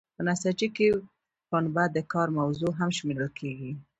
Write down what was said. په نساجۍ کې پنبه د کار موضوع هم شمیرل کیږي.